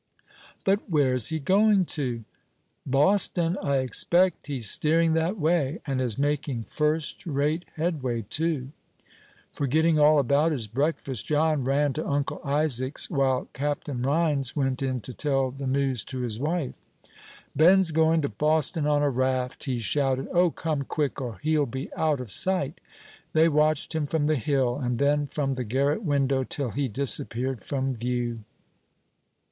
"But where's he going to?" "Boston, I expect; he's steering that way, and is making first rate headway, too." Forgetting all about his breakfast, John ran to Uncle Isaac's, while Captain Rhines went in to tell the news to his wife. "Ben's going to Boston on a raft!" he shouted; "O, come quick, or he'll be out of sight!" They watched him from the hill, and then from the garret window, till he disappeared from view.